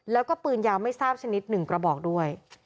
แล้วก็ปืนยาวไม่ทราบชนิด๑กระบอกด้วย